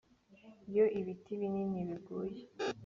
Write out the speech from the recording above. iyo ibiti binini biguye